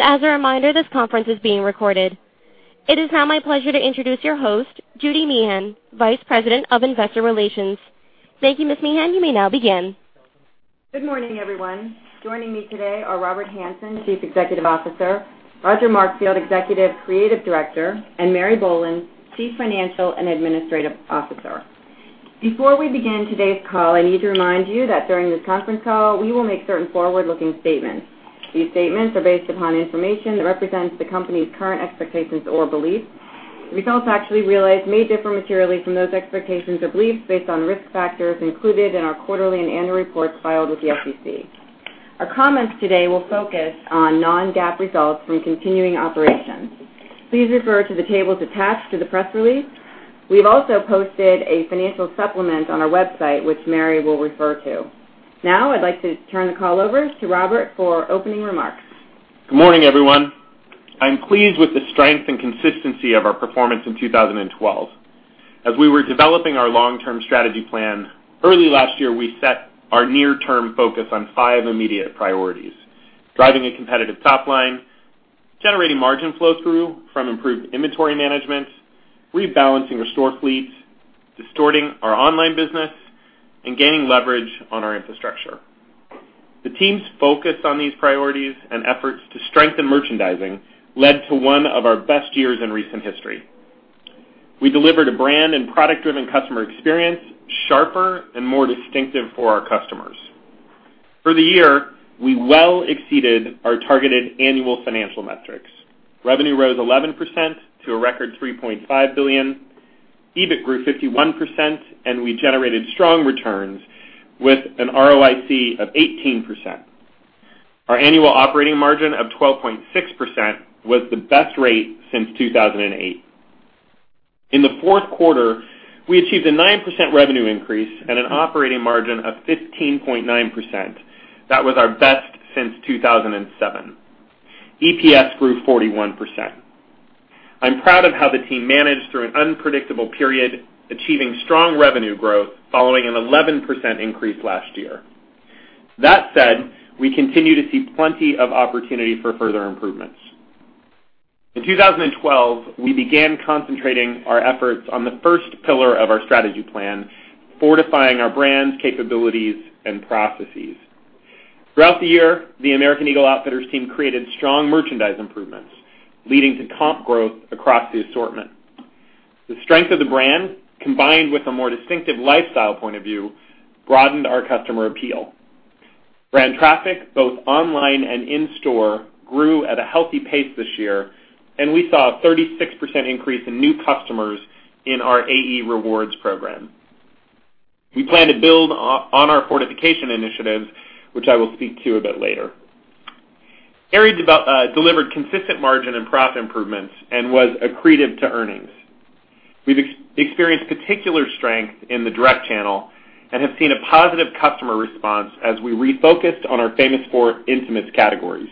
As a reminder, this conference is being recorded. It is now my pleasure to introduce your host, Judy Meehan, Vice President of Investor Relations. Thank you, Ms. Meehan. You may now begin. Good morning, everyone. Joining me today are Robert Hanson, Chief Executive Officer, Roger Markfield, Executive Creative Director, and Mary Boland, Chief Financial and Administrative Officer. Before we begin today's call, I need to remind you that during this conference call, we will make certain forward-looking statements. These statements are based upon information that represents the company's current expectations or beliefs. Results actually realized may differ materially from those expectations or beliefs based on risk factors included in our quarterly and annual reports filed with the SEC. Our comments today will focus on non-GAAP results from continuing operations. Please refer to the tables attached to the press release. We have also posted a financial supplement on our website, which Mary will refer to. I'd like to turn the call over to Robert for opening remarks. Good morning, everyone. I'm pleased with the strength and consistency of our performance in 2012. As we were developing our long-term strategy plan, early last year, we set our near-term focus on five immediate priorities: driving a competitive top line, generating margin flow-through from improved inventory management, rebalancing our store fleets, distorting our online business, and gaining leverage on our infrastructure. The team's focus on these priorities and efforts to strengthen merchandising led to one of our best years in recent history. We delivered a brand and product-driven customer experience, sharper and more distinctive for our customers. For the year, we well exceeded our targeted annual financial metrics. Revenue rose 11% to a record $3.5 billion, EBIT grew 51%, and we generated strong returns with an ROIC of 18%. Our annual operating margin of 12.6% was the best rate since 2008. In the fourth quarter, we achieved a 9% revenue increase and an operating margin of 15.9%. That was our best since 2007. EPS grew 41%. I'm proud of how the team managed through an unpredictable period, achieving strong revenue growth following an 11% increase last year. That said, we continue to see plenty of opportunity for further improvements. In 2012, we began concentrating our efforts on the first pillar of our strategy plan, fortifying our brands, capabilities, and processes. Throughout the year, the American Eagle Outfitters team created strong merchandise improvements, leading to comp growth across the assortment. The strength of the brand, combined with a more distinctive lifestyle point of view, broadened our customer appeal. Brand traffic, both online and in store, grew at a healthy pace this year, and we saw a 36% increase in new customers in our AE Rewards program. We plan to build on our fortification initiatives, which I will speak to a bit later. Aerie delivered consistent margin and profit improvements and was accretive to earnings. We've experienced particular strength in the direct channel and have seen a positive customer response as we refocused on our Famous Four intimates categories.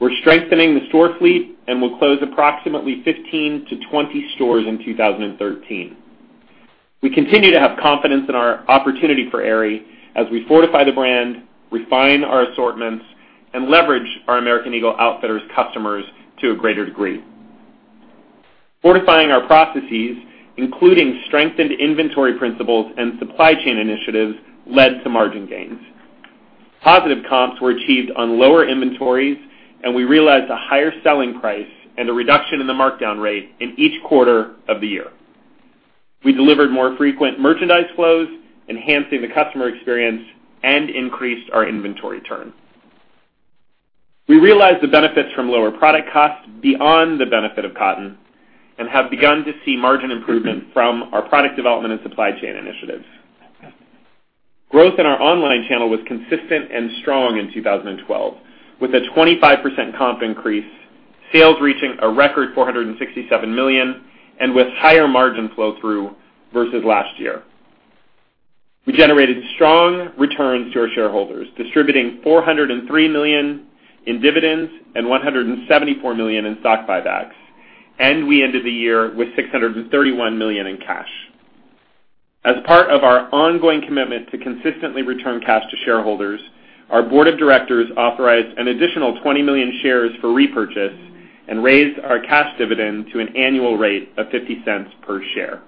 We're strengthening the store fleet and will close approximately 15-20 stores in 2013. We continue to have confidence in our opportunity for Aerie as we fortify the brand, refine our assortments, and leverage our American Eagle Outfitters customers to a greater degree. Fortifying our processes, including strengthened inventory principles and supply chain initiatives, led to margin gains. Positive comps were achieved on lower inventories, and we realized a higher selling price and a reduction in the markdown rate in each quarter of the year. We delivered more frequent merchandise flows, enhancing the customer experience, and increased our inventory turn. We realized the benefits from lower product costs beyond the benefit of cotton and have begun to see margin improvement from our product development and supply chain initiatives. Growth in our online channel was consistent and strong in 2012, with a 25% comp increase, sales reaching a record $467 million, and with higher margin flow-through versus last year. We generated strong returns to our shareholders, distributing $403 million in dividends and $174 million in stock buybacks, and we ended the year with $631 million in cash. As part of our ongoing commitment to consistently return cash to shareholders, our board of directors authorized an additional 20 million shares for repurchase and raised our cash dividend to an annual rate of $0.50 per share.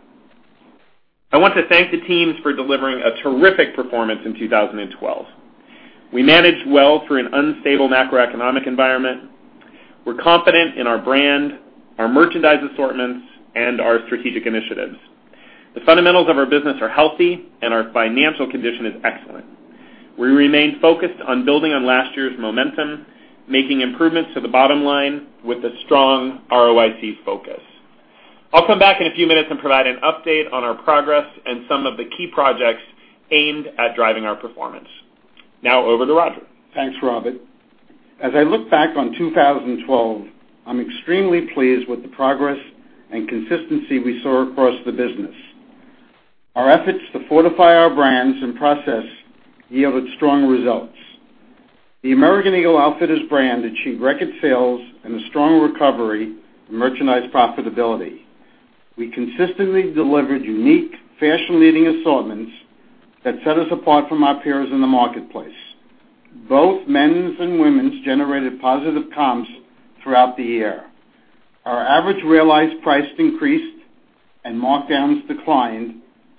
I want to thank the teams for delivering a terrific performance in 2012. We managed well through an unstable macroeconomic environment. We're confident in our brand, our merchandise assortments, and our strategic initiatives. The fundamentals of our business are healthy, and our financial condition is excellent. We remain focused on building on last year's momentum, making improvements to the bottom line with a strong ROIC focus. I'll come back in a few minutes and provide an update on our progress and some of the key projects aimed at driving our performance. Over to Roger. Thanks, Robert. As I look back on 2012, I'm extremely pleased with the progress and consistency we saw across the business. Our efforts to fortify our brands and process yielded strong results. The American Eagle Outfitters brand achieved record sales and a strong recovery in merchandise profitability. We consistently delivered unique fashion-leading assortments that set us apart from our peers in the marketplace. Both men's and women's generated positive comps throughout the year. Our average realized price increased, and markdowns declined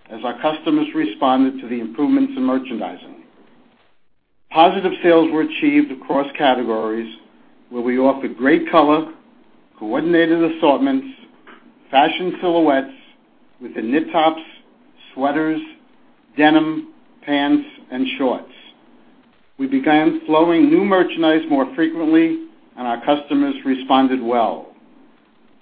as our customers responded to the improvements in merchandising. Positive sales were achieved across categories where we offered great color, coordinated assortments, fashion silhouettes within knit tops, sweaters, denim, pants, and shorts. We began flowing new merchandise more frequently, and our customers responded well.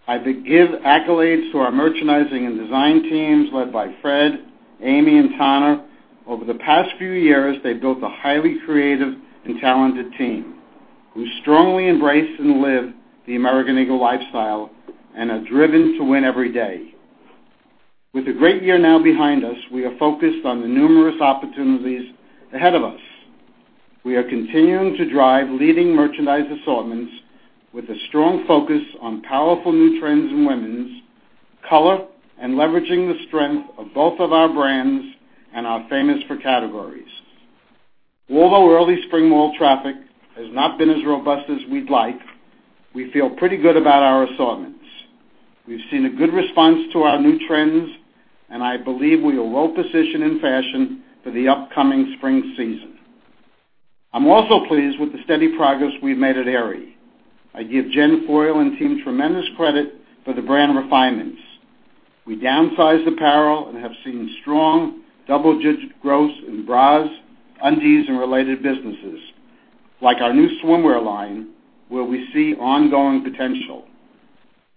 I give accolades to our merchandising and design teams led by Fred, Amy, and Tanner. Over the past few years, they've built a highly creative and talented team who strongly embrace and live the American Eagle lifestyle and are driven to win every day. With a great year now behind us, we are focused on the numerous opportunities ahead of us. We are continuing to drive leading merchandise assortments with a strong focus on powerful new trends in women's, color, and leveraging the strength of both of our brands and our Famous Four categories. Although early spring mall traffic has not been as robust as we'd like, we feel pretty good about our assortments. We've seen a good response to our new trends, and I believe we are well-positioned in fashion for the upcoming spring season. I'm also pleased with the steady progress we've made at Aerie. I give Jen Foyle and team tremendous credit for the brand refinements. We downsized apparel and have seen strong, double-digit growth in bras, undies, and related businesses, like our new swimwear line, where we see ongoing potential.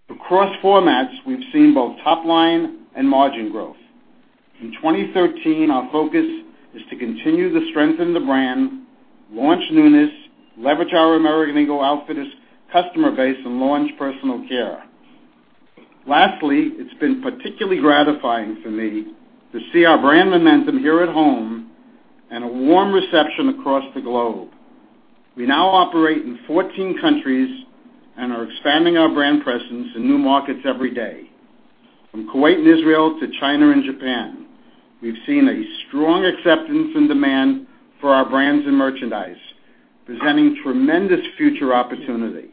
Across formats, we've seen both top-line and margin growth. In 2013, our focus is to continue to strengthen the brand, launch newness, leverage our American Eagle Outfitters customer base, and launch personal care. Lastly, it's been particularly gratifying for me to see our brand momentum here at home and a warm reception across the globe. We now operate in 14 countries and are expanding our brand presence in new markets every day. From Kuwait and Israel to China and Japan, we've seen a strong acceptance and demand for our brands and merchandise, presenting tremendous future opportunity.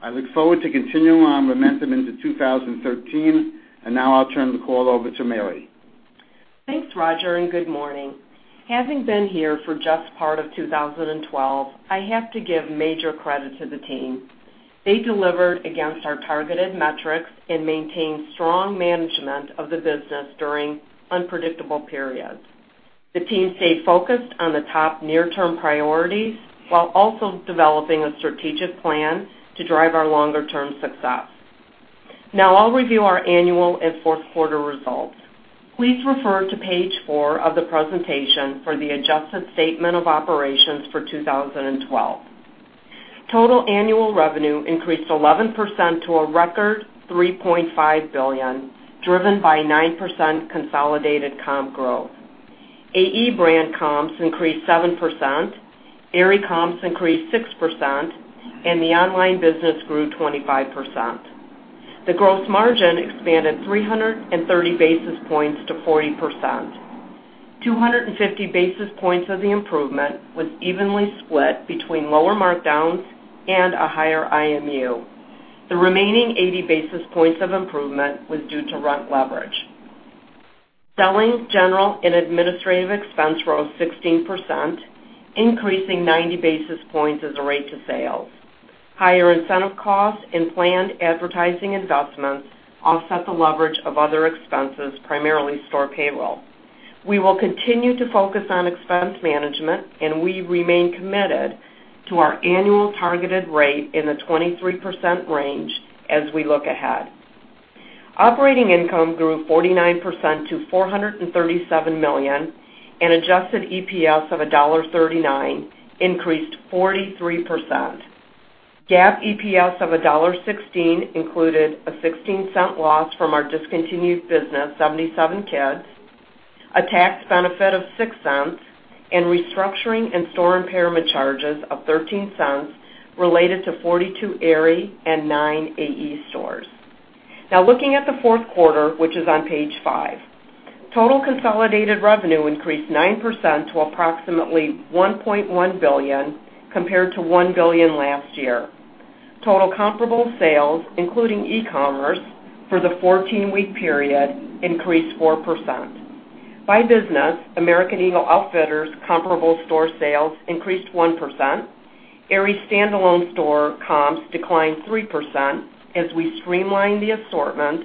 I look forward to continuing our momentum into 2013. Now I'll turn the call over to Mary. Thanks, Roger, and good morning. Having been here for just part of 2012, I have to give major credit to the team. They delivered against our targeted metrics and maintained strong management of the business during unpredictable periods. The team stayed focused on the top near-term priorities while also developing a strategic plan to drive our longer-term success. Now I'll review our annual and fourth-quarter results. Please refer to page four of the presentation for the adjusted statement of operations for 2012. Total annual revenue increased 11% to a record $3.5 billion, driven by 9% consolidated comp growth. AE brand comps increased 7%, Aerie comps increased 6%, and the online business grew 25%. The gross margin expanded 330 basis points to 40%. 250 basis points of the improvement was evenly split between lower markdowns and a higher IMU. The remaining 80 basis points of improvement was due to rent leverage. Selling, general and administrative expense rose 16%, increasing 90 basis points as a rate to sales. Higher incentive costs and planned advertising investments offset the leverage of other expenses, primarily store payroll. We will continue to focus on expense management, and we remain committed to our annual targeted rate in the 23% range as we look ahead. Operating income grew 49% to $437 million, and adjusted EPS of $1.39 increased 43%. GAAP EPS of $1.16 included a $0.16 loss from our discontinued business, 77kids, a tax benefit of $0.06, and restructuring and store impairment charges of $0.13 related to 42 Aerie and 9 AE stores. Looking at the fourth quarter, which is on page five. Total consolidated revenue increased 9% to approximately $1.1 billion compared to $1 billion last year. Total comparable sales, including e-commerce, for the 14-week period increased 4%. By business, American Eagle Outfitters comparable store sales increased 1%. Aerie standalone store comps declined 3% as we streamlined the assortment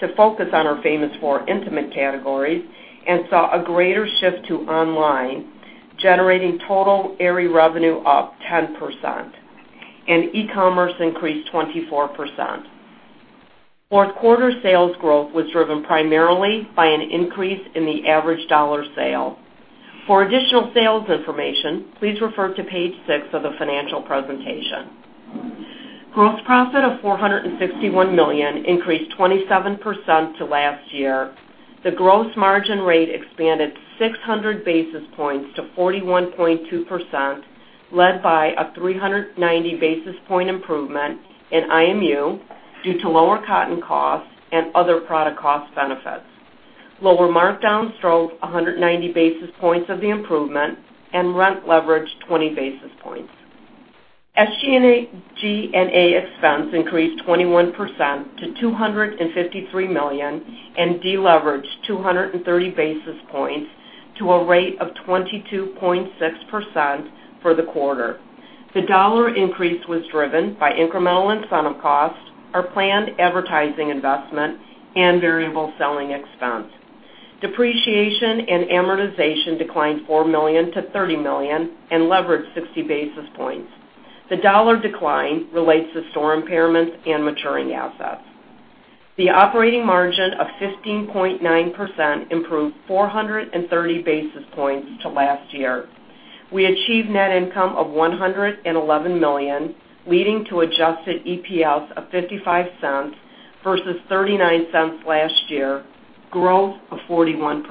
to focus on our Famous Four intimate categories and saw a greater shift to online, generating total Aerie revenue up 10%, and e-commerce increased 24%. Fourth quarter sales growth was driven primarily by an increase in the average dollar sale. For additional sales information, please refer to page six of the financial presentation. Gross profit of $461 million increased 27% to last year. The gross margin rate expanded 600 basis points to 41.2%. Led by a 390 basis point improvement in IMU due to lower cotton costs and other product cost benefits. Lower markdowns drove 190 basis points of the improvement and rent leverage 20 basis points. SG&A expense increased 21% to $253 million and deleveraged 230 basis points to a rate of 22.6% for the quarter. The dollar increase was driven by incremental incentive costs, our planned advertising investment, and variable selling expense. Depreciation and amortization declined $4 million to $30 million and leveraged 60 basis points. The dollar decline relates to store impairments and maturing assets. The operating margin of 15.9% improved 430 basis points to last year. We achieved net income of $111 million, leading to adjusted EPS of $0.55 versus $0.39 last year, growth of 41%.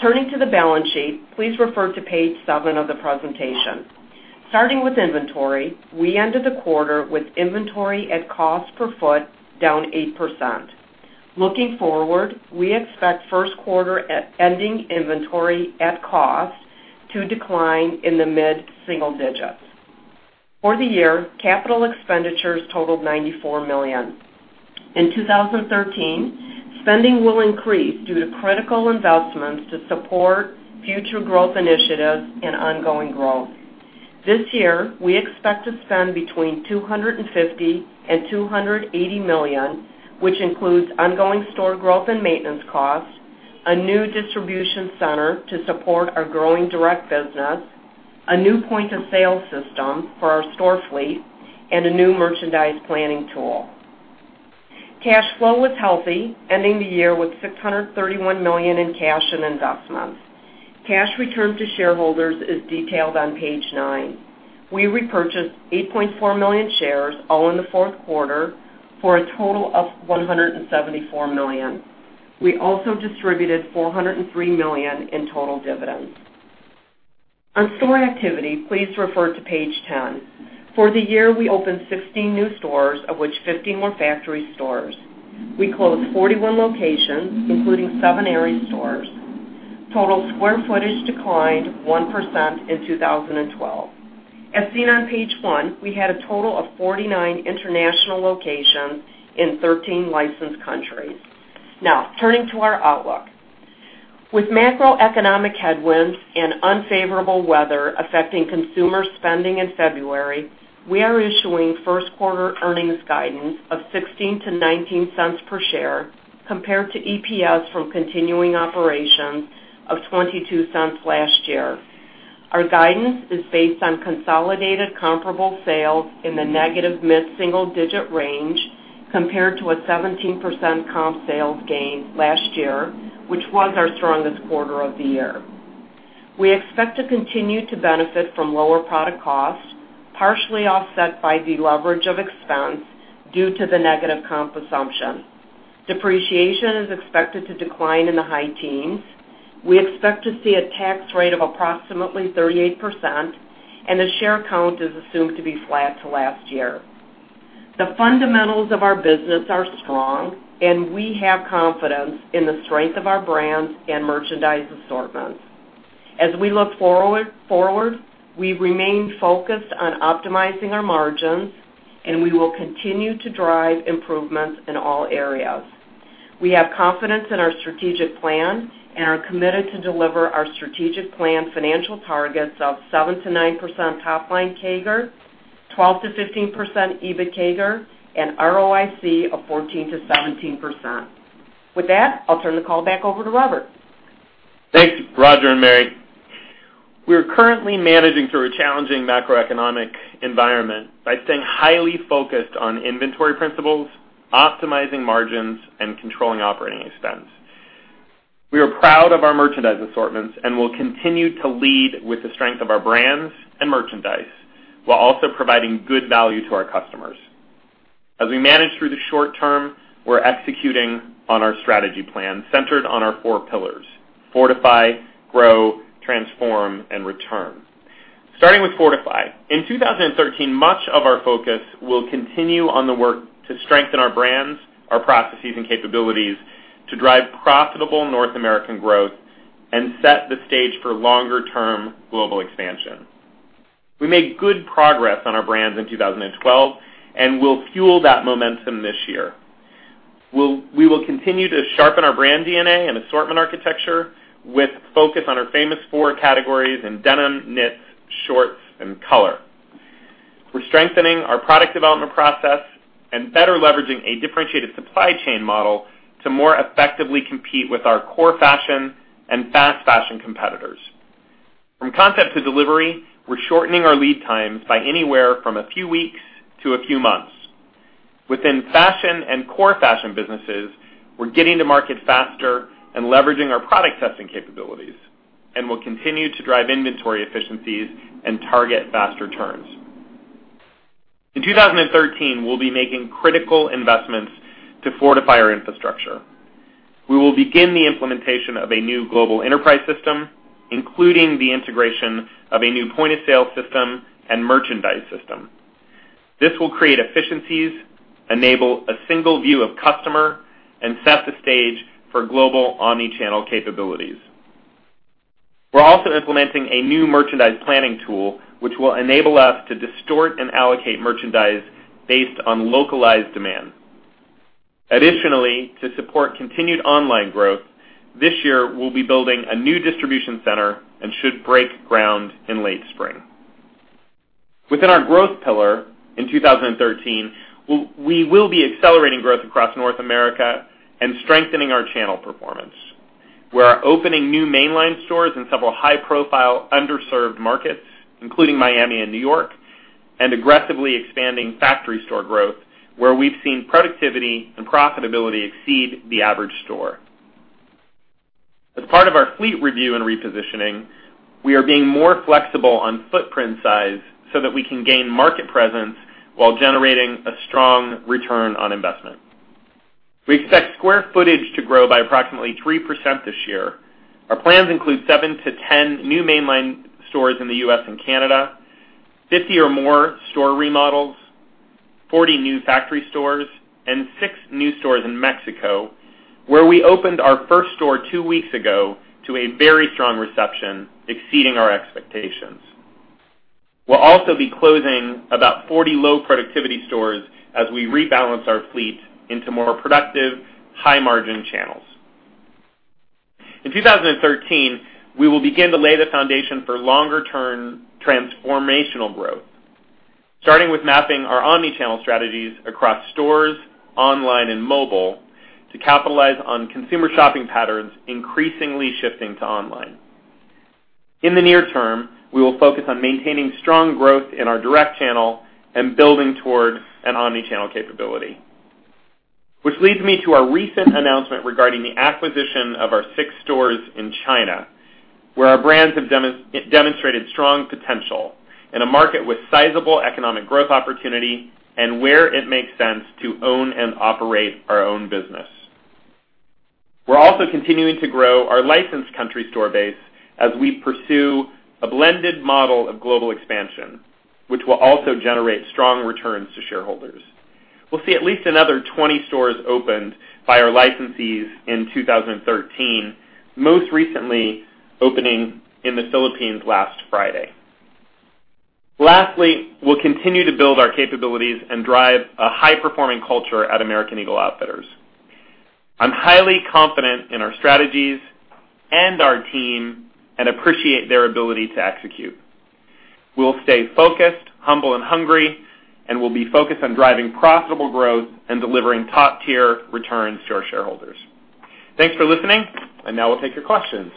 Turning to the balance sheet. Please refer to page seven of the presentation. Starting with inventory, we ended the quarter with inventory at cost per foot down 8%. Looking forward, we expect first quarter at ending inventory at cost to decline in the mid-single digits. For the year, capital expenditures totaled $94 million. In 2013, spending will increase due to critical investments to support future growth initiatives and ongoing growth. This year, we expect to spend between $250 million and $280 million, which includes ongoing store growth and maintenance costs, a new distribution center to support our growing direct business, a new point-of-sale system for our store fleet, and a new merchandise planning tool. Cash flow was healthy, ending the year with $631 million in cash and investments. Cash returned to shareholders is detailed on page nine. We repurchased 8.4 million shares, all in the fourth quarter, for a total of $174 million. We also distributed $403 million in total dividends. On store activity, please refer to page 10. For the year, we opened 16 new stores, of which 15 were factory stores. We closed 41 locations, including 7 Aerie stores. Total square footage declined 1% in 2012. As seen on page one, we had a total of 49 international locations in 13 licensed countries. Turning to our outlook. With macroeconomic headwinds and unfavorable weather affecting consumer spending in February, we are issuing first-quarter earnings guidance of $0.16-$0.19 per share compared to EPS from continuing operations of $0.22 last year. Our guidance is based on consolidated comparable sales in the negative mid-single-digit range compared to a 17% comp sales gain last year, which was our strongest quarter of the year. We expect to continue to benefit from lower product costs, partially offset by deleverage of expense due to the negative comp assumption. Depreciation is expected to decline in the high teens. We expect to see a tax rate of approximately 38%, and the share count is assumed to be flat to last year. The fundamentals of our business are strong, and we have confidence in the strength of our brands and merchandise assortments. As we look forward, we remain focused on optimizing our margins, and we will continue to drive improvements in all areas. We have confidence in our strategic plan and are committed to deliver our strategic plan financial targets of 7%-9% top-line CAGR, 12%-15% EBITDA CAGR, and ROIC of 14%-17%. With that, I'll turn the call back over to Robert. Thanks, Roger and Mary. We are currently managing through a challenging macroeconomic environment by staying highly focused on inventory principles, optimizing margins, and controlling operating expense. We are proud of our merchandise assortments and will continue to lead with the strength of our brands and merchandise while also providing good value to our customers. As we manage through the short term, we're executing on our strategy plan centered on our four pillars: fortify, grow, transform, and return. Starting with fortify. In 2013, much of our focus will continue on the work to strengthen our brands, our processes, and capabilities to drive profitable North American growth and set the stage for longer-term global expansion. We made good progress on our brands in 2012, and we'll fuel that momentum this year. We will continue to sharpen our brand DNA and assortment architecture with focus on our Famous Four categories in denim, knits, shorts, and color. We're strengthening our product development process and better leveraging a differentiated supply chain model to more effectively compete with our core fashion and fast fashion competitors. From concept to delivery, we're shortening our lead times by anywhere from a few weeks to a few months. Within fashion and core fashion businesses, we're getting to market faster and leveraging our product testing capabilities. We'll continue to drive inventory efficiencies and target faster turns. In 2013, we'll be making critical investments to fortify our infrastructure. We will begin the implementation of a new global enterprise system, including the integration of a new point-of-sale system and merchandise system. This will create efficiencies, enable a single view of customer, and set the stage for global omni-channel capabilities. We're also implementing a new merchandise planning tool, which will enable us to distort and allocate merchandise based on localized demand. Additionally, to support continued online growth, this year we'll be building a new distribution center and should break ground in late spring. Within our growth pillar in 2013, we will be accelerating growth across North America and strengthening our channel performance. We are opening new mainline stores in several high-profile, underserved markets, including Miami and New York, and aggressively expanding factory store growth, where we've seen productivity and profitability exceed the average store. As part of our fleet review and repositioning, we are being more flexible on footprint size so that we can gain market presence while generating a strong return on investment. We expect square footage to grow by approximately 3% this year. Our plans include seven to 10 new mainline stores in the U.S. and Canada, 50 or more store remodels, 40 new factory stores, and six new stores in Mexico, where we opened our first store two weeks ago to a very strong reception, exceeding our expectations. We'll also be closing about 40 low-productivity stores as we rebalance our fleet into more productive, high-margin channels. In 2013, we will begin to lay the foundation for longer-term transformational growth, starting with mapping our omni-channel strategies across stores, online, and mobile to capitalize on consumer shopping patterns increasingly shifting to online. In the near term, we will focus on maintaining strong growth in our direct channel and building towards an omni-channel capability. Which leads me to our recent announcement regarding the acquisition of our six stores in China, where our brands have demonstrated strong potential in a market with sizable economic growth opportunity and where it makes sense to own and operate our own business. We're also continuing to grow our licensed country store base as we pursue a blended model of global expansion, which will also generate strong returns to shareholders. We'll see at least another 20 stores opened by our licensees in 2013, most recently opening in the Philippines last Friday. Lastly, we'll continue to build our capabilities and drive a high-performing culture at American Eagle Outfitters. I'm highly confident in our strategies and our team and appreciate their ability to execute. We'll stay focused, humble, and hungry, and we'll be focused on driving profitable growth and delivering top-tier returns to our shareholders. Thanks for listening. Now we'll take your questions.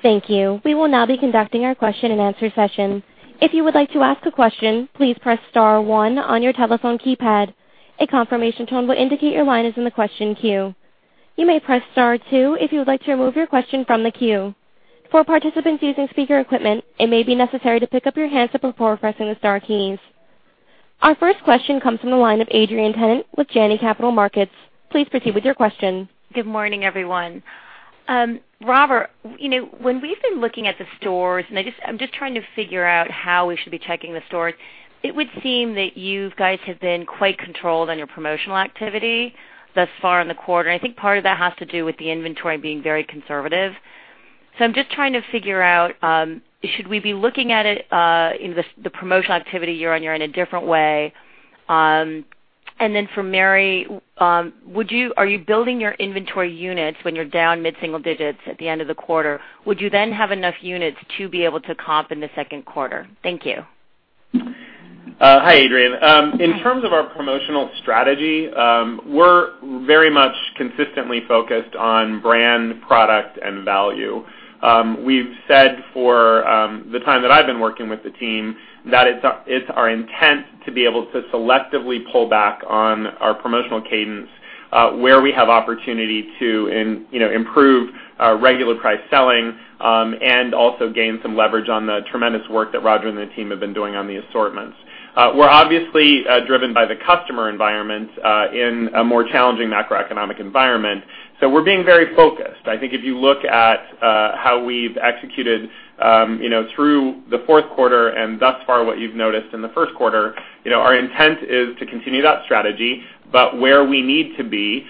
Thank you. We will now be conducting our question and answer session. If you would like to ask a question, please press star 1 on your telephone keypad. A confirmation tone will indicate your line is in the question queue. You may press star 2 if you would like to remove your question from the queue. For participants using speaker equipment, it may be necessary to pick up your handset before pressing the star keys. Our first question comes from the line of Adrienne Tennant with Janney Montgomery Scott. Please proceed with your question. Good morning, everyone. Robert, when we've been looking at the stores, and I'm just trying to figure out how we should be checking the stores, it would seem that you guys have been quite controlled on your promotional activity thus far in the quarter. I think part of that has to do with the inventory being very conservative. I'm just trying to figure out, should we be looking at it, the promotional activity year-on-year in a different way? For Mary, are you building your inventory units when you're down mid-single digits at the end of the quarter? Would you have enough units to be able to comp in the second quarter? Thank you. Hi, Adrienne. In terms of our promotional strategy, we're very much consistently focused on brand, product, and value. We've said for the time that I've been working with the team that it's our intent to be able to selectively pull back on our promotional cadence where we have opportunity to improve our regular price selling and also gain some leverage on the tremendous work that Roger and the team have been doing on the assortments. We're obviously driven by the customer environment in a more challenging macroeconomic environment. We're being very focused. I think if you look at how we've executed through the fourth quarter and thus far what you've noticed in the first quarter, our intent is to continue that strategy, but where we need to be,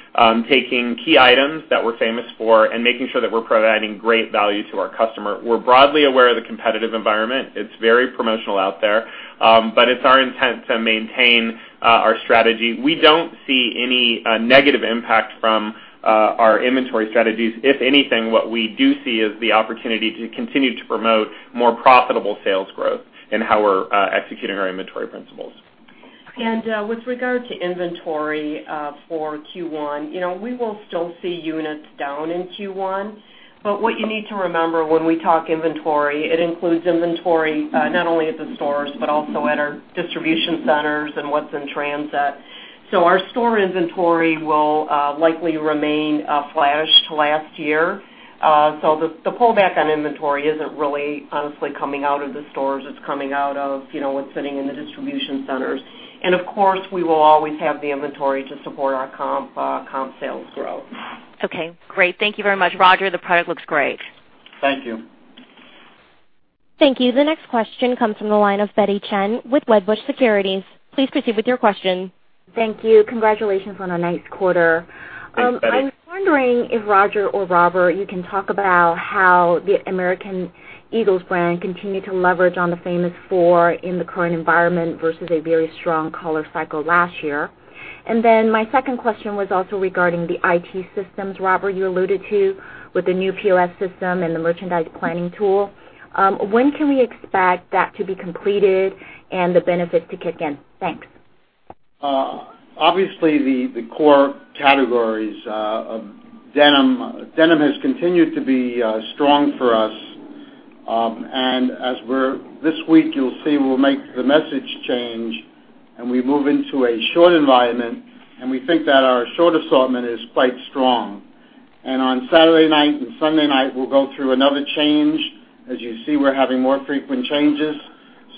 taking key items that we're famous for and making sure that we're providing great value to our customer. We're broadly aware of the competitive environment. It's very promotional out there, but it's our intent to maintain our strategy. We don't see any negative impact from our inventory strategies. If anything, what we do see is the opportunity to continue to promote more profitable sales growth in how we're executing our inventory principles. With regard to inventory for Q1, we will still see units down in Q1. What you need to remember when we talk inventory, it includes inventory not only at the stores but also at our distribution centers and what's in transit. Our store inventory will likely remain flat to last year. The pullback on inventory isn't really honestly coming out of the stores. It's coming out of what's sitting in the distribution centers. Of course, we will always have the inventory to support our comp sales growth. Okay, great. Thank you very much, Roger. The product looks great. Thank you. Thank you. The next question comes from the line of Betty Chen with Wedbush Securities. Please proceed with your question. Thank you. Congratulations on a nice quarter. Thanks, Betty. I'm wondering if, Roger or Robert, you can talk about how the American Eagle brand continued to leverage on the Famous Four in the current environment versus a very strong color cycle last year. My second question was also regarding the IT systems, Robert, you alluded to with the new POS system and the merchandise planning tool. When can we expect that to be completed and the benefit to kick in? Thanks. Obviously, the core categories of denim. Denim has continued to be strong for us. This week, you'll see we'll make the message change and we move into a short environment, and we think that our short assortment is quite strong. On Saturday night and Sunday night, we'll go through another change. As you see, we're having more frequent changes.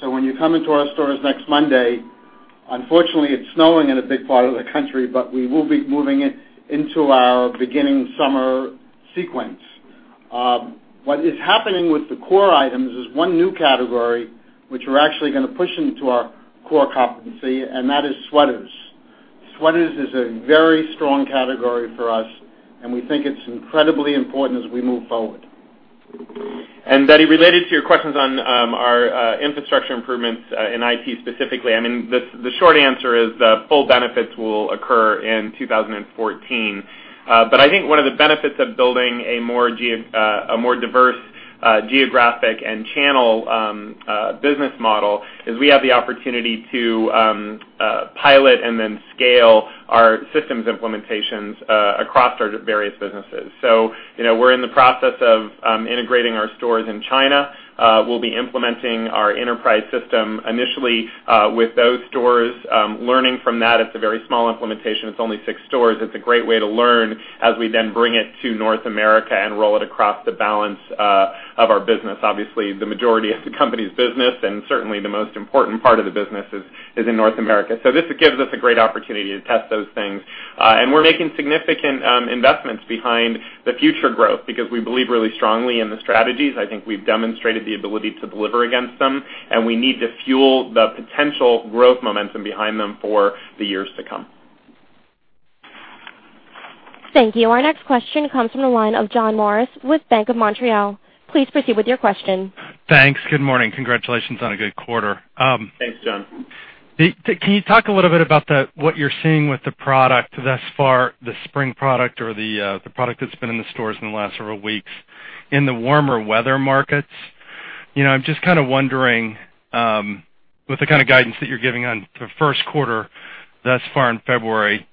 When you come into our stores next Monday, unfortunately, it's snowing in a big part of the country, but we will be moving into our beginning summer sequence. What is happening with the core items is one new category, which we're actually going to push into our core competency, and that is sweaters. Sweaters is a very strong category for us, and we think it's incredibly important as we move forward. Betty, related to your questions on our infrastructure improvements in IT specifically, I mean, the short answer is full benefits will occur in 2014. I think one of the benefits of building a more diverse geographic and channel business model is we have the opportunity to pilot and then scale our systems implementations across our various businesses. We're in the process of integrating our stores in China. We'll be implementing our enterprise system initially with those stores. Learning from that, it's a very small implementation. It's only six stores. It's a great way to learn as we then bring it to North America and roll it across the balance of our business. Obviously, the majority of the company's business, and certainly the most important part of the business, is in North America. This gives us a great opportunity to test those things. We're making significant investments behind the future growth because we believe really strongly in the strategies. I think we've demonstrated the ability to deliver against them, and we need to fuel the potential growth momentum behind them for the years to come. Thank you. Our next question comes from the line of John Morris with BMO Capital Markets. Please proceed with your question. Thanks. Good morning. Congratulations on a good quarter. Thanks, John. Can you talk a little bit about what you're seeing with the product thus far, the spring product or the product that's been in the stores in the last several weeks in the warmer weather markets? I'm just kind of wondering with the kind of guidance that you're giving on the first quarter thus far in February,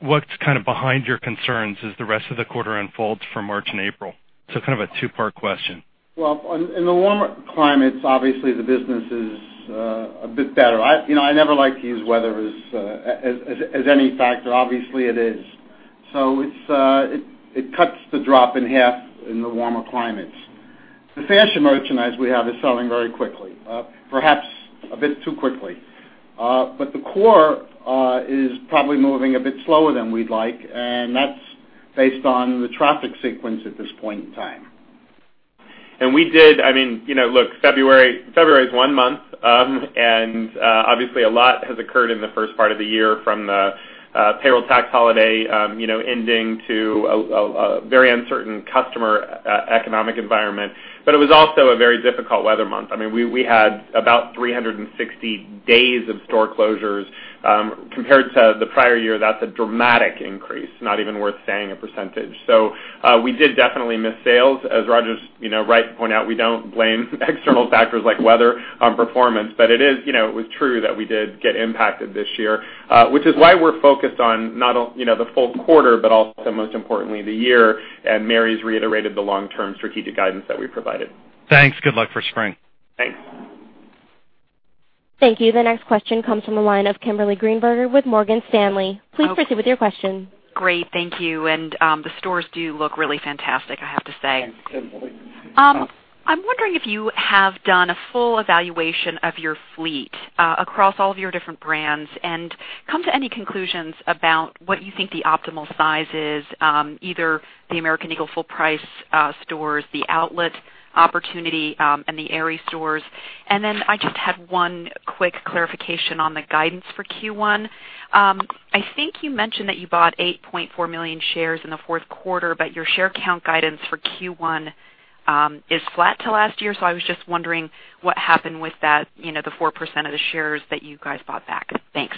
what's behind your concerns as the rest of the quarter unfolds for March and April? Kind of a two-part question. In the warmer climates, obviously, the business is a bit better. I never like to use weather as any factor. Obviously, it is. It cuts the drop in half in the warmer climates. The fashion merchandise we have is selling very quickly. Perhaps a bit too quickly. The core is probably moving a bit slower than we'd like, and that's based on the traffic sequence at this point in time. Look, February is one month, and obviously, a lot has occurred in the first part of the year from the payroll tax holiday ending to a very uncertain customer economic environment. It was also a very difficult weather month. We had about 360 days of store closures. Compared to the prior year, that's a dramatic increase, not even worth saying a percentage. We did definitely miss sales. As Roger's right to point out, we don't blame external factors like weather on performance, but it was true that we did get impacted this year, which is why we're focused on not only the full quarter, but also most importantly, the year, and Mary's reiterated the long-term strategic guidance that we provided. Thanks. Good luck for spring. Thanks. Thank you. The next question comes from the line of Kimberly Greenberger with Morgan Stanley. Please proceed with your question. Great. Thank you. The stores do look really fantastic, I have to say. Thanks, Kimberly. I'm wondering if you have done a full evaluation of your fleet across all of your different brands and come to any conclusions about what you think the optimal size is, either the American Eagle full price stores, the outlet opportunity, and the Aerie stores. I just had one quick clarification on the guidance for Q1. I think you mentioned that you bought 8.4 million shares in the fourth quarter, but your share count guidance for Q1 is flat to last year. I was just wondering what happened with that, the 4% of the shares that you guys bought back. Thanks.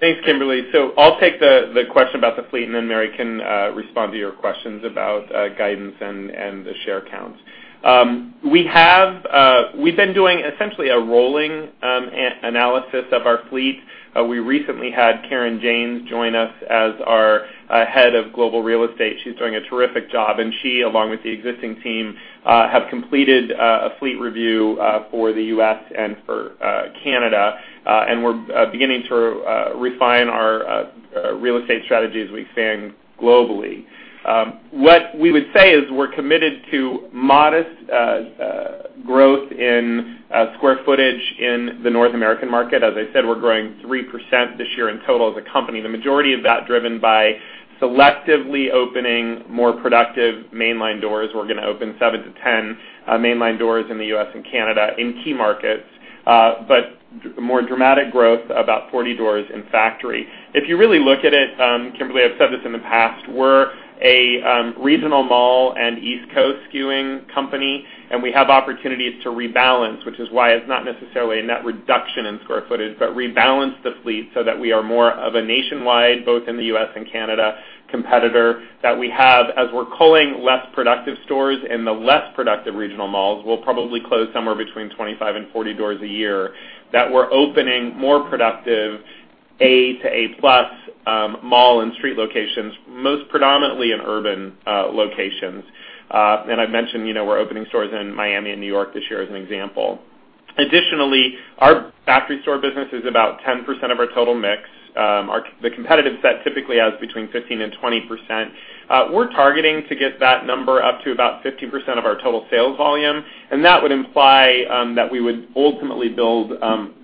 Thanks, Kimberly. I'll take the question about the fleet, Mary can respond to your questions about guidance and the share counts. We've been doing essentially a rolling analysis of our fleet. We recently had Karen James join us as our head of global real estate. She's doing a terrific job, and she, along with the existing team, have completed a fleet review for the U.S. and for Canada. We're beginning to refine our real estate strategy as we expand globally. What we would say is we're committed to modest growth in square footage in the North American market. As I said, we're growing 3% this year in total as a company. The majority of that driven by selectively opening more productive mainline doors. We're going to open seven to 10 mainline doors in the U.S. and Canada in key markets. More dramatic growth, about 40 doors in factory. If you really look at it, Kimberly, I've said this in the past, we're a regional mall and East Coast skewing company, we have opportunities to rebalance, which is why it's not necessarily a net reduction in square footage, but rebalance the fleet so that we are more of a nationwide, both in the U.S. and Canada, competitor that we have. As we're culling less productive stores in the less productive regional malls, we'll probably close somewhere between 25 and 40 doors a year, that we're opening more productive A to A+ mall and street locations, most predominantly in urban locations. I've mentioned, we're opening stores in Miami and New York this year as an example. Additionally, our factory store business is about 10% of our total mix. The competitive set typically has between 15%-20%. We're targeting to get that number up to about 15% of our total sales volume. That would imply that we would ultimately build,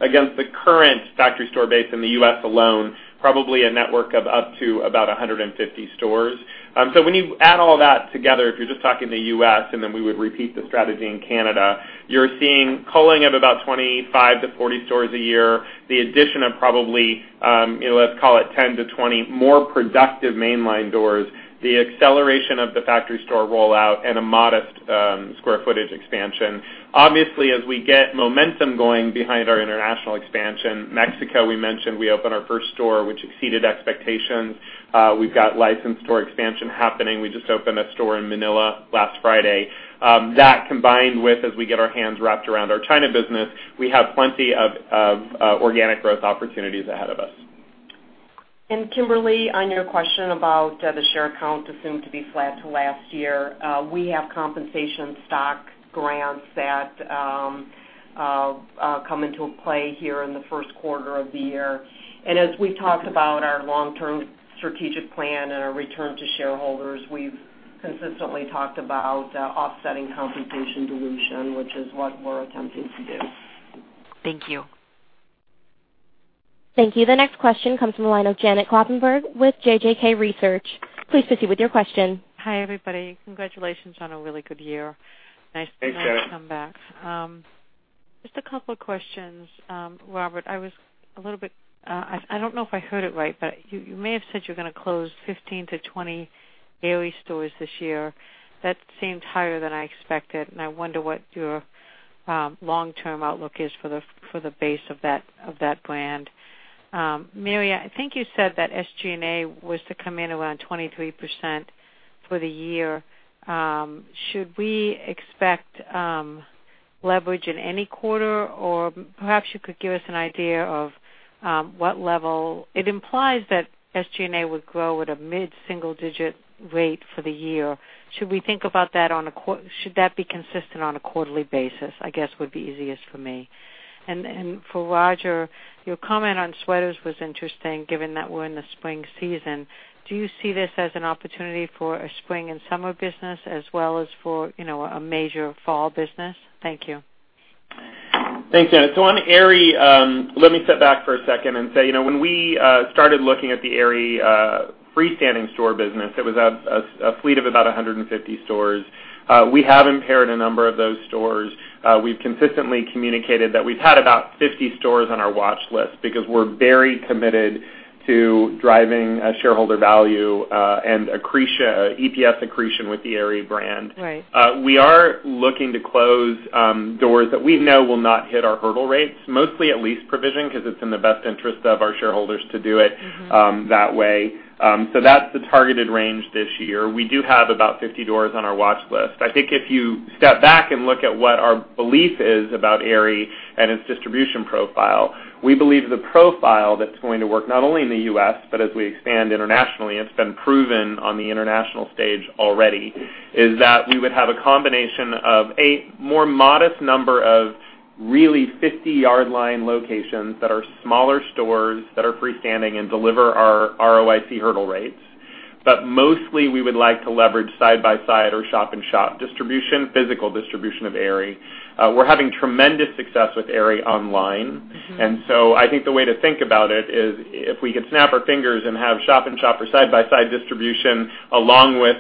against the current factory store base in the U.S. alone, probably a network of up to about 150 stores. When you add all that together, if you're just talking the U.S., we would repeat the strategy in Canada, you're seeing culling of about 25 to 40 stores a year, the addition of probably, let's call it 10 to 20 more productive mainline doors, the acceleration of the factory store rollout, a modest square footage expansion. Obviously, as we get momentum going behind our international expansion, Mexico, we mentioned, we opened our first store, which exceeded expectations. We've got licensed store expansion happening. We just opened a store in Manila last Friday. That, combined with as we get our hands wrapped around our China business, we have plenty of organic growth opportunities ahead of us. Kimberly, on your question about the share count assumed to be flat to last year, we have compensation stock grants that come into play here in the first quarter of the year. As we talked about our long-term strategic plan and our return to shareholders, we've consistently talked about offsetting compensation dilution, which is what we're attempting to do. Thank you. Thank you. The next question comes from the line of Janet Kloppenburg with JJK Research. Please proceed with your question. Hi, everybody. Congratulations on a really good year. Thanks, Janet. Nice to come back. Just a couple of questions. Robert, I don't know if I heard it right, but you may have said you're going to close 15-20 Aerie stores this year. That seems higher than I expected, and I wonder what your long-term outlook is for the base of that brand. Mary, I think you said that SG&A was to come in around 23% for the year. Should we expect leverage in any quarter? Or perhaps you could give us an idea of what level It implies that SG&A would grow at a mid-single-digit rate for the year. Should that be consistent on a quarterly basis, I guess, would be easiest for me. And for Roger, your comment on sweaters was interesting, given that we're in the spring season. Do you see this as an opportunity for a spring and summer business as well as for a major fall business? Thank you. Thanks, Janet. On Aerie, let me step back for a second and say, when we started looking at the Aerie freestanding store business, it was a fleet of about 150 stores. We have impaired a number of those stores. We've consistently communicated that we've had about 50 stores on our watch list because we're very committed to driving shareholder value and accretion, EPS accretion with the Aerie brand. Right. We are looking to close doors that we know will not hit our hurdle rates, mostly at lease provision because it's in the best interest of our shareholders to do it that way. That's the targeted range this year. We do have about 50 doors on our watch list. I think if you step back and look at what our belief is about Aerie and its distribution profile, we believe the profile that's going to work not only in the U.S., but as we expand internationally, it's been proven on the international stage already, is that we would have a combination of a more modest number of really 50 yard line locations that are smaller stores that are freestanding and deliver our ROIC hurdle rates. Mostly we would like to leverage side-by-side or shop-in-shop distribution, physical distribution of Aerie. We're having tremendous success with Aerie online. I think the way to think about it is if we could snap our fingers and have shop-in-shop or side-by-side distribution along with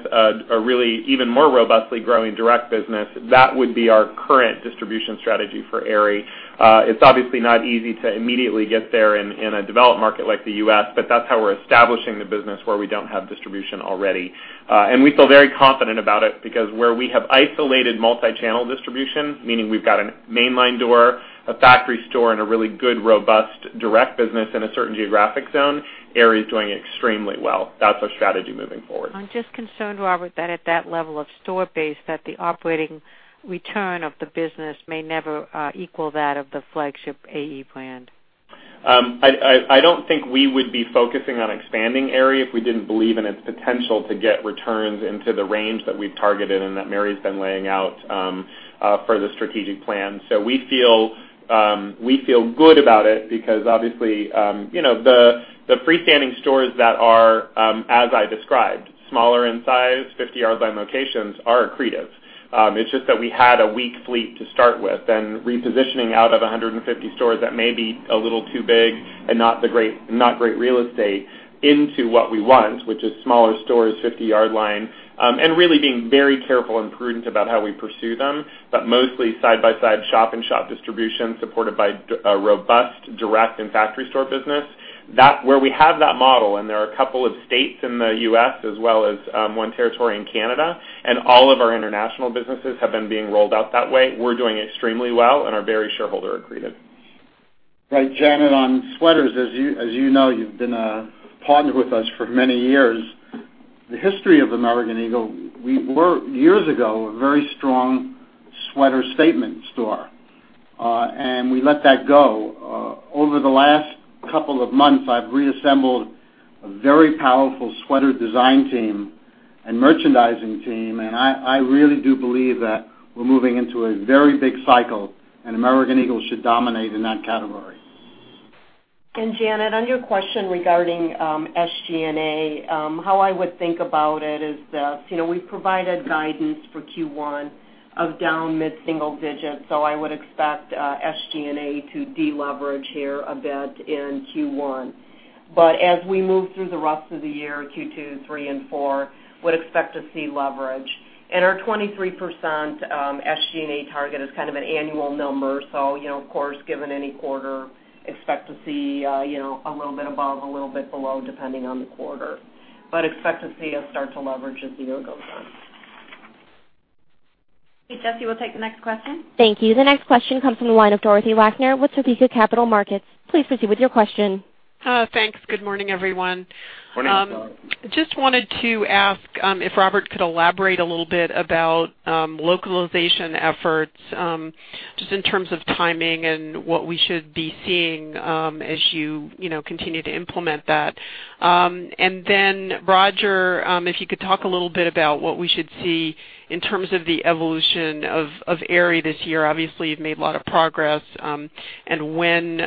a really even more robustly growing direct business, that would be our current distribution strategy for Aerie. It's obviously not easy to immediately get there in a developed market like the U.S., but that's how we're establishing the business where we don't have distribution already. We feel very confident about it because where we have isolated multi-channel distribution, meaning we've got a mainline door, a factory store, and a really good, robust direct business in a certain geographic zone, Aerie's doing extremely well. That's our strategy moving forward. I'm just concerned, Robert, that at that level of store base, that the operating return of the business may never equal that of the flagship AE brand. I don't think we would be focusing on expanding Aerie if we didn't believe in its potential to get returns into the range that we've targeted and that Mary's been laying out for the strategic plan. We feel good about it because obviously the freestanding stores that are, as I described, smaller in size, 50 yard line locations, are accretive. It's just that we had a weak fleet to start with and repositioning out of 150 stores that may be a little too big and not great real estate into what we want, which is smaller stores, 50 yard line, and really being very careful and prudent about how we pursue them. Mostly side-by-side shop-in-shop distribution supported by a robust direct and factory store business. Where we have that model, and there are a couple of states in the U.S. as well as one territory in Canada, and all of our international businesses have been being rolled out that way. We're doing extremely well and are very shareholder accretive. Right. Janet, on sweaters, as you know, you've been a partner with us for many years. The history of American Eagle, we were years ago, a very strong sweater statement store. We let that go. Over the last couple of months, I've reassembled a very powerful sweater design team and merchandising team. I really do believe that we're moving into a very big cycle, and American Eagle should dominate in that category. Janet, on your question regarding SG&A, how I would think about it is that, we've provided guidance for Q1 of down mid-single digits. I would expect SG&A to deleverage here a bit in Q1. As we move through the rest of the year, Q2, three, and four, would expect to see leverage. Our 23% SG&A target is kind of an annual number. Of course, given any quarter, expect to see a little bit above, a little bit below, depending on the quarter. Expect to see us start to leverage as the year goes on. Okay, Jesse, we'll take the next question. Thank you. The next question comes from the line of Dorothy Wagner with Topeka Capital Markets. Please proceed with your question. Thanks. Good morning, everyone. Morning. Just wanted to ask if Robert could elaborate a little bit about localization efforts, just in terms of timing and what we should be seeing as you continue to implement that. Then Roger, if you could talk a little bit about what we should see in terms of the evolution of Aerie this year. Obviously, you've made a lot of progress. When,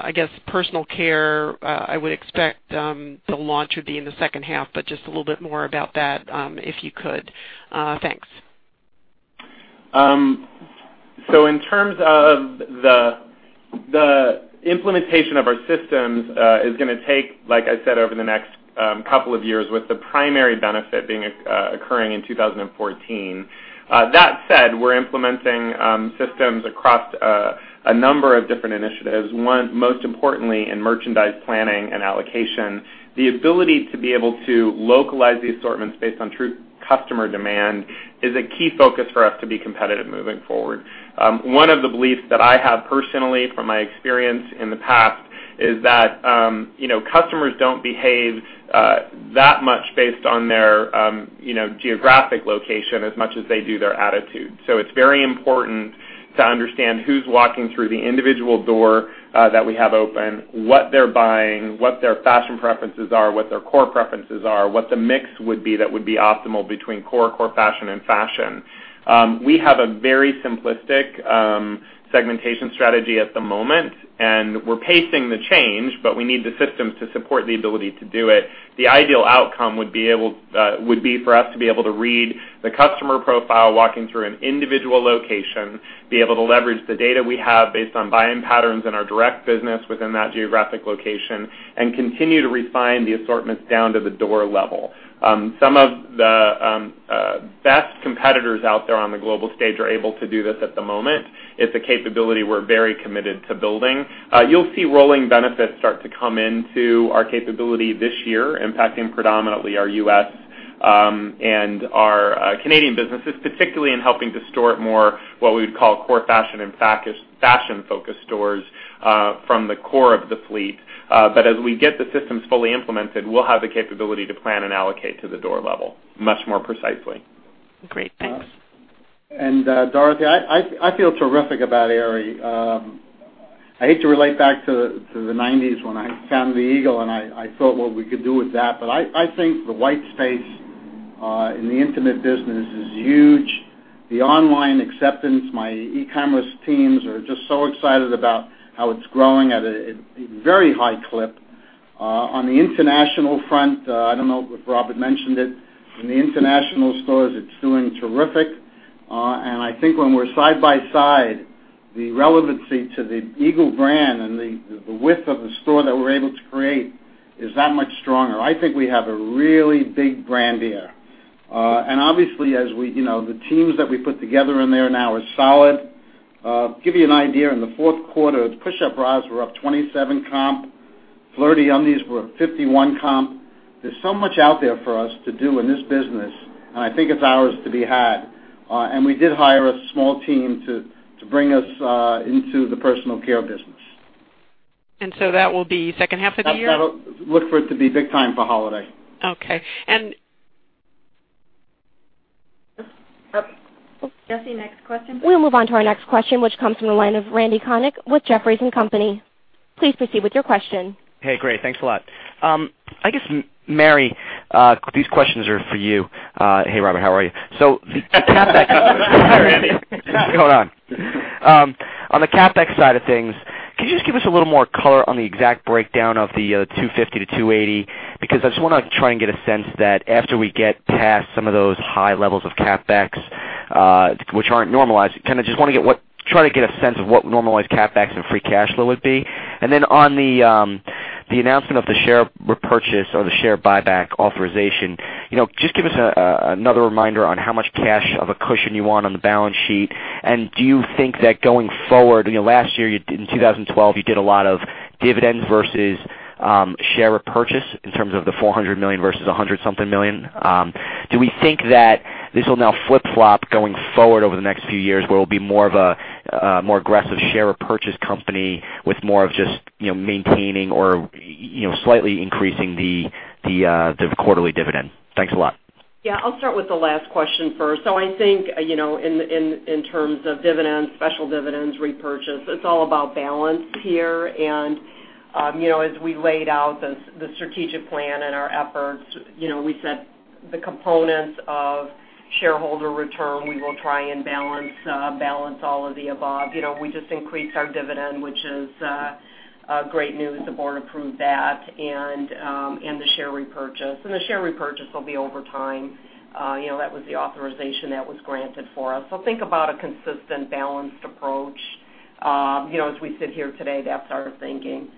I guess personal care, I would expect the launch would be in the second half, but just a little bit more about that, if you could. Thanks. In terms of the implementation of our systems is going to take, like I said, over the next couple of years, with the primary benefit occurring in 2014. That said, we're implementing systems across a number of different initiatives, most importantly in merchandise planning and allocation. The ability to be able to localize the assortments based on true customer demand is a key focus for us to be competitive moving forward. One of the beliefs that I have personally from my experience in the past is that customers don't behave that much based on their geographic location as much as they do their attitude. It's very important to understand who's walking through the individual door that we have open, what they're buying, what their fashion preferences are, what their core preferences are, what the mix would be that would be optimal between core fashion, and fashion. We have a very simplistic segmentation strategy at the moment, and we're pacing the change, but we need the systems to support the ability to do it. The ideal outcome would be for us to be able to read the customer profile walking through an individual location, be able to leverage the data we have based on buying patterns in our direct business within that geographic location, and continue to refine the assortments down to the door level. Some of the best competitors out there on the global stage are able to do this at the moment. It's a capability we're very committed to building. You'll see rolling benefits start to come into our capability this year, impacting predominantly our U.S. and our Canadian businesses, particularly in helping to store it more, what we would call core fashion and fashion-focused stores from the core of the fleet. As we get the systems fully implemented, we'll have the capability to plan and allocate to the door level much more precisely. Great. Thanks. Dorothy, I feel terrific about Aerie. I hate to relate back to the '90s when I found the American Eagle, and I thought what we could do with that. I think the white space in the intimate business is huge. The online acceptance, my e-commerce teams are just so excited about how it's growing at a very high clip. On the international front, I don't know if Robert mentioned it. In the international stores, it's doing terrific. I think when we're side by side, the relevancy to the American Eagle brand and the width of the store that we're able to create is that much stronger. I think we have a really big brand here. Obviously, as the teams that we put together in there now are solid. Give you an idea, in the fourth quarter, push-up bras were up 27% comp. Flirty undies were up 51% comp. There's so much out there for us to do in this business, and I think it's ours to be had. We did hire a small team to bring us into the personal care business. That will be second half of the year? Look for it to be big time for holiday. Okay. Jesse, next question. We'll move on to our next question, which comes from the line of Randy Konik with Jefferies & Company. Please proceed with your question. Hey, great. Thanks a lot. I guess, Mary, these questions are for you. Hey, Robert. How are you? What's going on? On the CapEx side of things, can you just give us a little more color on the exact breakdown of the $250-$280? I just want to try and get a sense that after we get past some of those high levels of CapEx, which aren't normalized, kind of just want to try to get a sense of what normalized CapEx and free cash flow would be. On the announcement of the share repurchase or the share buyback authorization, just give us another reminder on how much cash of a cushion you want on the balance sheet. Do you think that going forward, last year, in 2012, you did a lot of dividends versus share repurchase in terms of the $400 million versus $100 something million. Do we think that this will now flip-flop going forward over the next few years, where it will be more of a more aggressive share repurchase company with more of just maintaining or slightly increasing the quarterly dividend? Thanks a lot. I will start with the last question first. I think, in terms of dividends, special dividends, repurchase, it is all about balance here. As we laid out the strategic plan and our efforts, we said the components of shareholder return, we will try and balance all of the above. We just increased our dividend, which is great news. The board approved that and the share repurchase. The share repurchase will be over time. That was the authorization that was granted for us. Think about a consistent, balanced approach. As we sit here today, that is our thinking.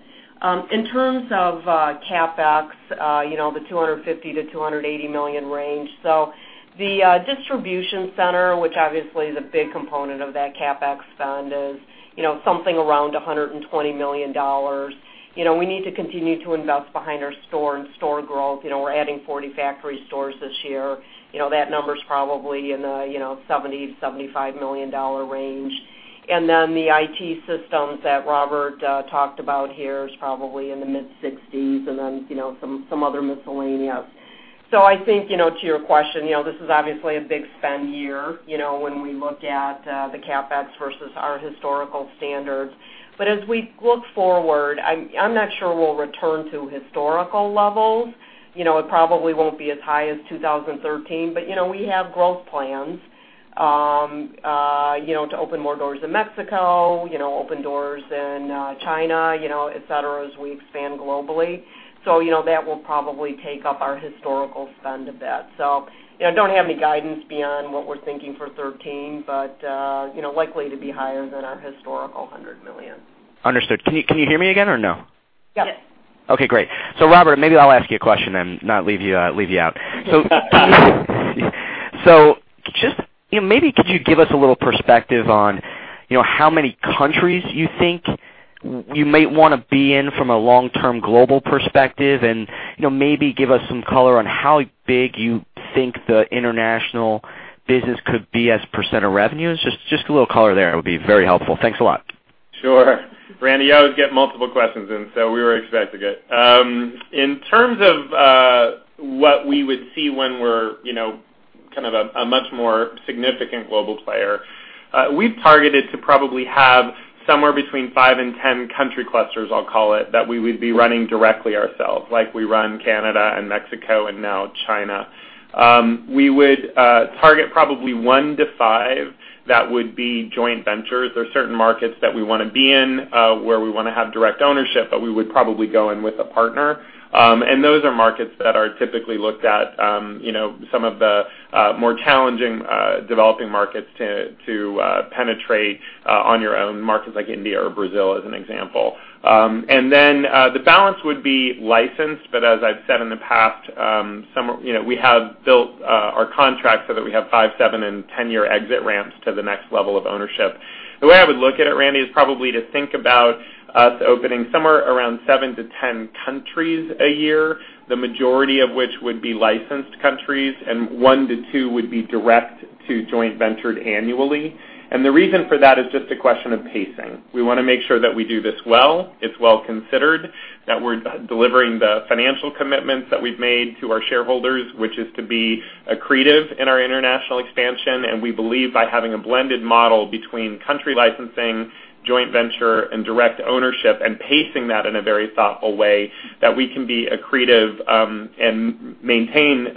In terms of CapEx, the $250 million-$280 million range. The distribution center, which obviously is a big component of that CapEx spend, is something around $120 million. We need to continue to invest behind our store and store growth. We are adding 40 factory stores this year. That number is probably in the $70 million-$75 million range. The IT systems that Robert talked about here is probably in the mid-60s and then some other miscellaneous. I think, to your question, this is obviously a big spend year, when we look at the CapEx versus our historical standards. As we look forward, I am not sure we will return to historical levels. It probably will not be as high as 2013, but we have growth plans, to open more doors in Mexico, open doors in China, et cetera, as we expand globally. That will probably take up our historical spend a bit. I do not have any guidance beyond what we are thinking for 2013, but likely to be higher than our historical $100 million. Understood. Can you hear me again or no? Yes. Okay, great. Robert, maybe I'll ask you a question then, not leave you out. Just maybe could you give us a little perspective on how many countries you think you might want to be in from a long-term global perspective and maybe give us some color on how big you think the international business could be as % of revenues. Just a little color there would be very helpful. Thanks a lot. Sure. Randy, I always get multiple questions in, we were expecting it. In terms of what we would see when we're kind of a much more significant global player, we've targeted to probably have somewhere between 5 and 10 country clusters, I'll call it, that we would be running directly ourselves, like we run Canada and Mexico and now China. We would target probably 1 to 5 that would be joint ventures. There are certain markets that we want to be in where we want to have direct ownership, but we would probably go in with a partner. Those are markets that are typically looked at, some of the more challenging developing markets to penetrate on your own, markets like India or Brazil as an example. Then, the balance would be licensed, as I've said in the past, we have built our contract so that we have 5, 7, and 10-year exit ramps to the next level of ownership. The way I would look at it, Randy, is probably to think about us opening somewhere around 7 to 10 countries a year, the majority of which would be licensed countries, and 1 to 2 would be direct to joint ventured annually. The reason for that is just a question of pacing. We want to make sure that we do this well, it's well considered, that we're delivering the financial commitments that we've made to our shareholders, which is to be accretive in our international expansion. We believe by having a blended model between country licensing, joint venture, and direct ownership, and pacing that in a very thoughtful way, that we can be accretive and maintain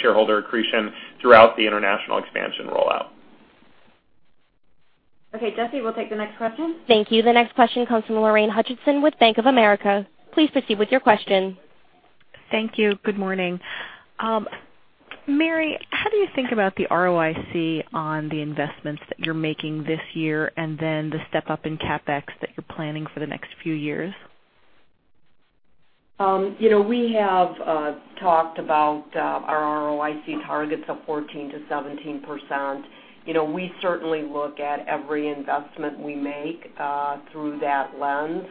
shareholder accretion throughout the international expansion rollout. Okay, Jesse, we'll take the next question. Thank you. The next question comes from Lorraine Hutchinson with Bank of America. Please proceed with your question. Thank you. Good morning. Mary, how do you think about the ROIC on the investments that you're making this year, and then the step-up in CapEx that you're planning for the next few years? We have talked about our ROIC targets of 14%-17%. We certainly look at every investment we make through that lens,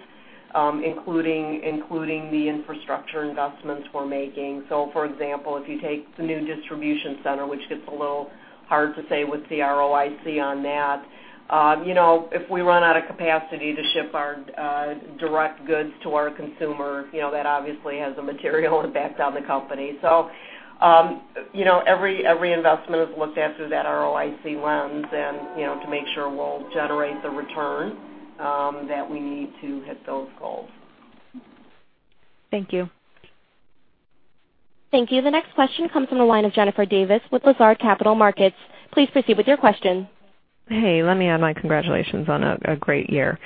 including the infrastructure investments we're making. For example, if you take the new distribution center, which gets a little hard to say what the ROIC on that. If we run out of capacity to ship our direct goods to our consumer, that obviously has a material impact on the company. Every investment is looked at through that ROIC lens and to make sure we'll generate the return that we need to hit those goals. Thank you. Thank you. The next question comes from the line of Jennifer Davis with Lazard Capital Markets. Please proceed with your question. Hey, let me add my congratulations on a great year.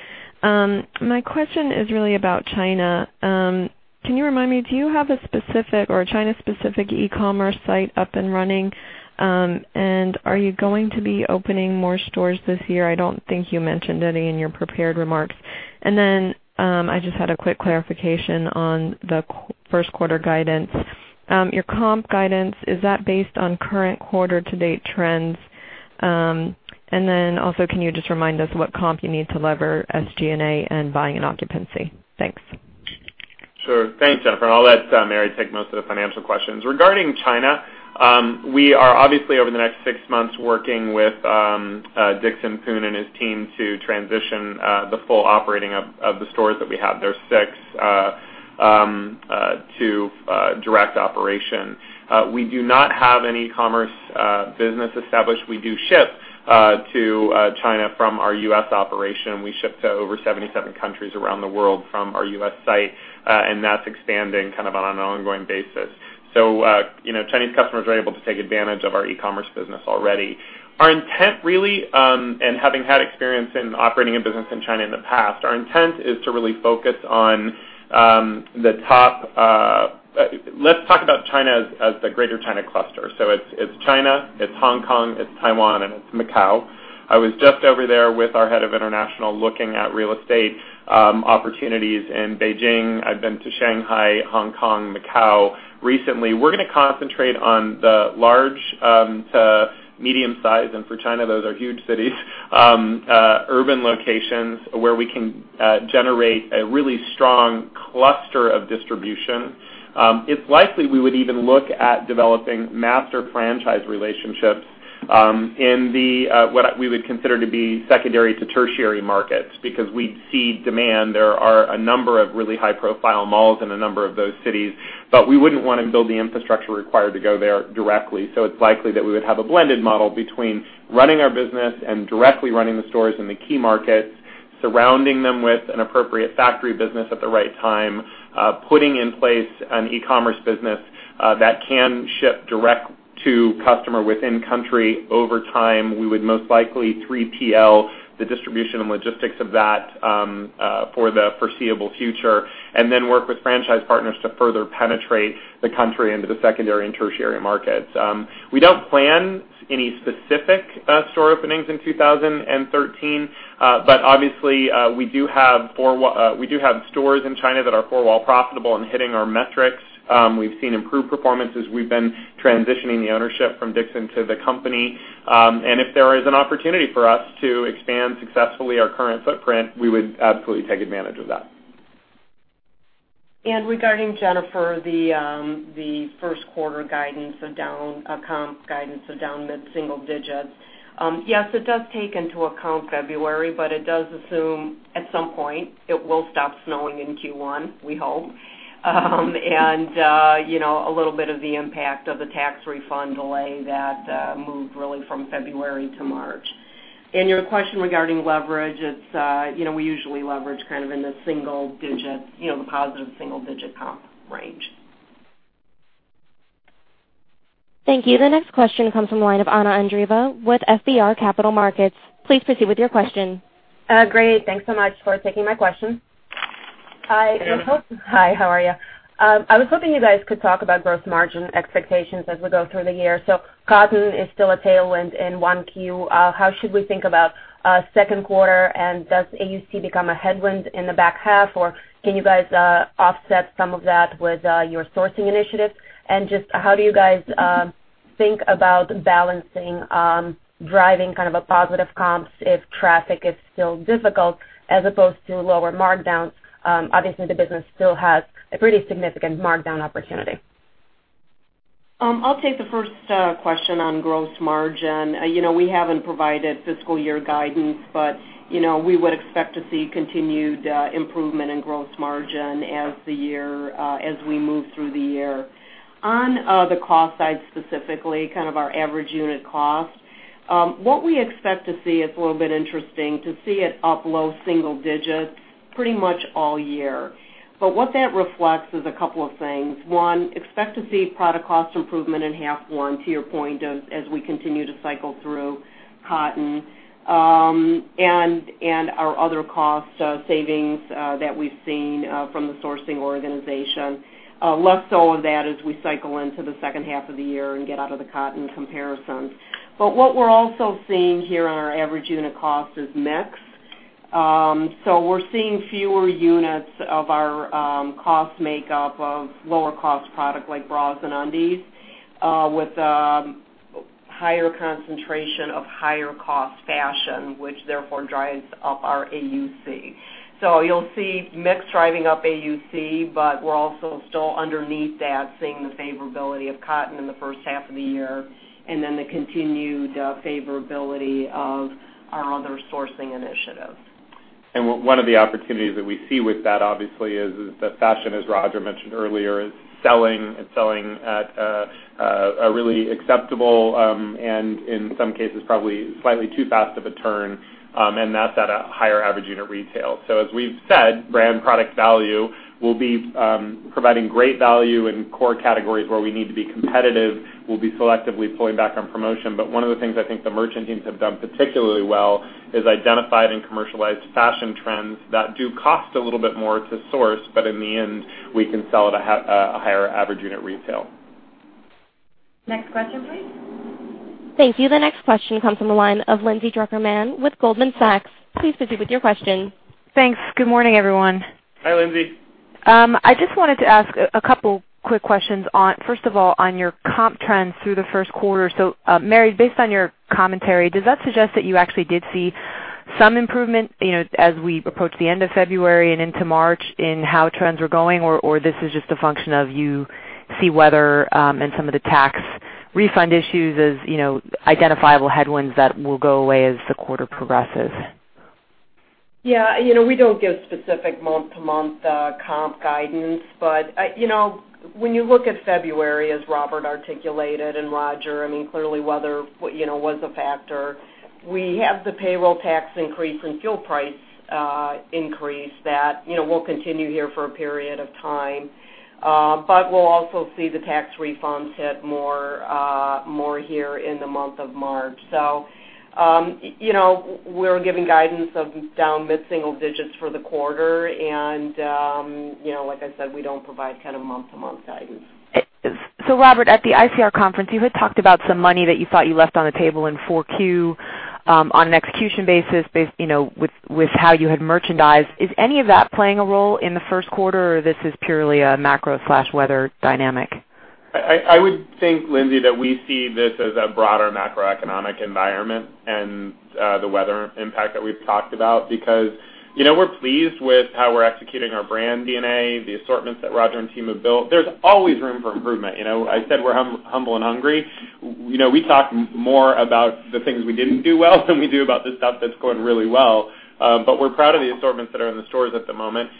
My question is really about China. Can you remind me, do you have a specific or a China-specific e-commerce site up and running? Are you going to be opening more stores this year? I don't think you mentioned any in your prepared remarks. I just had a quick clarification on the first quarter guidance. Your comp guidance, is that based on current quarter to date trends? Also, can you just remind us what comp you need to lever SG&A and buying and occupancy? Thanks. Sure. Thanks, Jennifer, and I'll let Mary take most of the financial questions. Regarding China, we are obviously over the next six months, working with Dickson Poon and his team to transition the full operating of the stores that we have, there are six, to direct operation. We do not have any commerce business established. We do ship to China from our U.S. operation. We ship to over 77 countries around the world from our U.S. site, and that's expanding on an ongoing basis. Chinese customers are able to take advantage of our e-commerce business already. Our intent really, and having had experience in operating a business in China in the past, Let's talk about China as the greater China cluster. It's China, it's Hong Kong, it's Taiwan, and it's Macau. I was just over there with our head of international, looking at real estate opportunities in Beijing. I've been to Shanghai, Hong Kong, Macau recently. We're going to concentrate on the large to medium-size, and for China, those are huge cities, urban locations where we can generate a really strong cluster of distribution. It's likely we would even look at developing master franchise relationships, in the what we would consider to be secondary to tertiary markets because we see demand. There are a number of really high-profile malls in a number of those cities, but we wouldn't want to build the infrastructure required to go there directly. It's likely that we would have a blended model between running our business and directly running the stores in the key markets, surrounding them with an appropriate factory business at the right time. Putting in place an e-commerce business that can ship direct to customer within country. Over time, we would most likely 3PL the distribution and logistics of that for the foreseeable future. Then work with franchise partners to further penetrate the country into the secondary and tertiary markets. We don't plan any specific store openings in 2013. Obviously, we do have stores in China that are four-wall profitable and hitting our metrics. We've seen improved performances. We've been transitioning the ownership from Dickson to the company. If there is an opportunity for us to expand successfully our current footprint, we would absolutely take advantage of that. Regarding Jennifer, the first quarter guidance of down mid-single digits. Yes, it does take into account February, but it does assume at some point it will stop snowing in Q1, we hope. A little bit of the impact of the tax refund delay that moved really from February to March. Your question regarding leverage, we usually leverage in the positive single-digit comp range. Thank you. The next question comes from the line of Anna Andreeva with FBR Capital Markets. Please proceed with your question. Great. Thanks so much for taking my question. Anna. Hi, how are you? I was hoping you guys could talk about gross margin expectations as we go through the year. Cotton is still a tailwind in 1Q. How should we think about second quarter, and does AUC become a headwind in the back half, or can you guys offset some of that with your sourcing initiatives? Just how do you guys think about balancing driving a positive comps if traffic is still difficult as opposed to lower markdowns? Obviously, the business still has a pretty significant markdown opportunity. I'll take the first question on gross margin. We haven't provided fiscal year guidance, but we would expect to see continued improvement in gross margin as we move through the year. On the cost side, specifically our average unit cost. What we expect to see is a little bit interesting, to see it up low single digits pretty much all year. What that reflects is a couple of things. One, expect to see product cost improvement in half one, to your point, as we continue to cycle through cotton, and our other cost savings that we've seen from the sourcing organization. Less so of that as we cycle into the second half of the year and get out of the cotton comparison. What we're also seeing here on our average unit cost is mix. We're seeing fewer units of our cost makeup of lower-cost product like bras and undies with higher concentration of higher cost fashion, which therefore drives up our AUC. You'll see mix driving up AUC, but we're also still underneath that, seeing the favorability of cotton in the first half of the year, and then the continued favorability of our other sourcing initiatives. One of the opportunities that we see with that, obviously, is that fashion, as Roger mentioned earlier, is selling. It's selling at a really acceptable, and in some cases, probably slightly too fast of a turn, and that's at a higher average unit retail. As we've said, brand product value will be providing great value in core categories where we need to be competitive. We'll be selectively pulling back on promotion. One of the things I think the merchant teams have done particularly well is identified and commercialized fashion trends that do cost a little bit more to source, but in the end, we can sell at a higher average unit retail. Next question, please. Thank you. The next question comes from the line of Lindsay Drucker Mann with Goldman Sachs. Please proceed with your question. Thanks. Good morning, everyone. Hi, Lindsay. I just wanted to ask a couple quick questions. First of all, on your comp trends through the first quarter. Mary, based on your commentary, does that suggest that you actually did see some improvement as we approach the end of February and into March in how trends are going? Or this is just a function of you see weather and some of the tax refund issues as identifiable headwinds that will go away as the quarter progresses? Yeah. We don't give specific month-to-month comp guidance. When you look at February, as Robert articulated, and Roger, clearly weather was a factor. We have the payroll tax increase and fuel price increase that will continue here for a period of time. We'll also see the tax refunds hit more here in the month of March. We're giving guidance of down mid-single digits for the quarter. Like I said, we don't provide kind of month-to-month guidance. Robert, at the ICR conference, you had talked about some money that you thought you left on the table in 4Q on an execution basis with how you had merchandised. Is any of that playing a role in the first quarter, or this is purely a macro/weather dynamic? I would think, Lindsey, that we see this as a broader macroeconomic environment and the weather impact that we've talked about. We're pleased with how we're executing our brand DNA, the assortments that Roger and team have built. There's always room for improvement. I said we're humble and hungry. We talk more about the things we didn't do well than we do about the stuff that's going really well. We're proud of the assortments that are in the stores at the moment.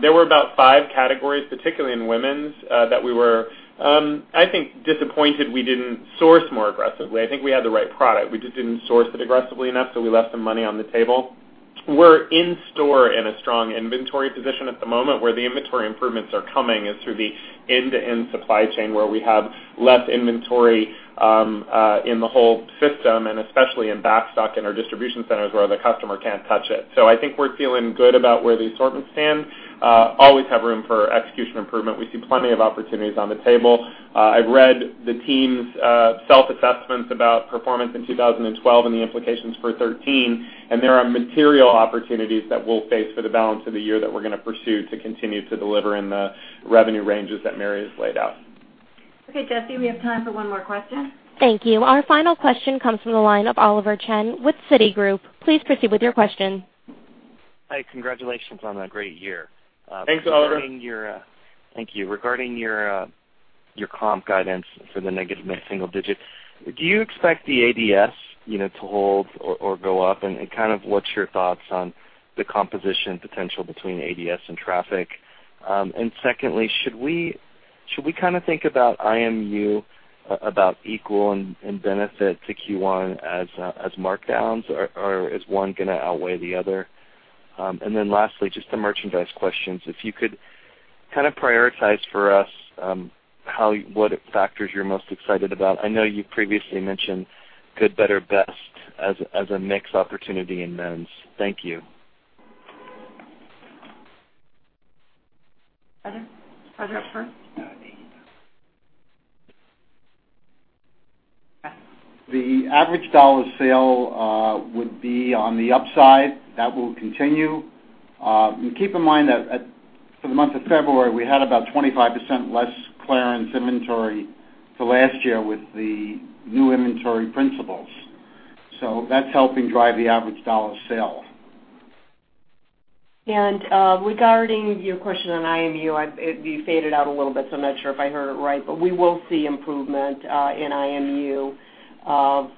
There were about five categories, particularly in women's, that we were, I think, disappointed we didn't source more aggressively. I think we had the right product. We just didn't source it aggressively enough, so we left some money on the table. We're in store in a strong inventory position at the moment. Where the inventory improvements are coming is through the end-to-end supply chain, where we have less inventory in the whole system, and especially in backstock in our distribution centers, where the customer can't touch it. I think we're feeling good about where the assortments stand. Always have room for execution improvement. We see plenty of opportunities on the table. I've read the team's self-assessments about performance in 2012 and the implications for 2013. There are material opportunities that we'll face for the balance of the year that we're going to pursue to continue to deliver in the revenue ranges that Mary has laid out. Okay, Jesse, we have time for one more question. Thank you. Our final question comes from the line of Oliver Chen with Citigroup. Please proceed with your question. Hi. Congratulations on a great year. Thanks, Oliver. Thank you. Regarding your comp guidance for the negative mid-single digit, do you expect the ADS to hold or go up, kind of what's your thoughts on the composition potential between ADS and traffic? Secondly, should we think about IMU about equal in benefit to Q1 as markdowns, or is one going to outweigh the other? Lastly, just some merchandise questions. If you could prioritize for us what factors you're most excited about. I know you previously mentioned good, better, best as a mix opportunity in men's. Thank you. Roger. Roger up first. The average dollar sale would be on the upside. That will continue. Keep in mind that for the month of February, we had about 25% less clearance inventory to last year with the new inventory principles. That's helping drive the average dollar sale. Regarding your question on IMU, you faded out a little bit, so I'm not sure if I heard it right, but we will see improvement in IMU of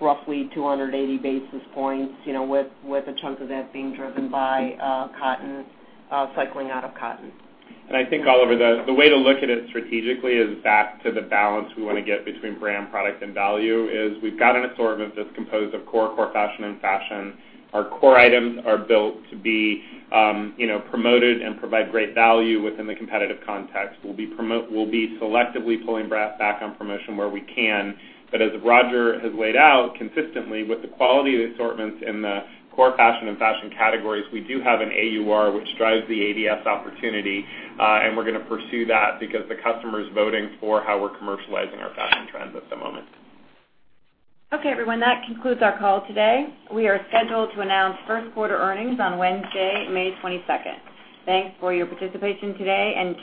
roughly 280 basis points, with a chunk of that being driven by cotton, cycling out of cotton. I think, Oliver, the way to look at it strategically is back to the balance we want to get between brand, product, and value is we've got an assortment that's composed of core fashion, and fashion. Our core items are built to be promoted and provide great value within the competitive context. We'll be selectively pulling back on promotion where we can. As Roger has laid out consistently with the quality of the assortments in the core fashion and fashion categories, we do have an AUR, which drives the ADS opportunity. We're going to pursue that because the customer is voting for how we're commercializing our fashion trends at the moment. Okay, everyone, that concludes our call today. We are scheduled to announce first quarter earnings on Wednesday, May 22nd. Thanks for your participation today, and